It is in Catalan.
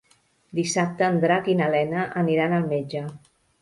Dissabte en Drac i na Lena aniran al metge.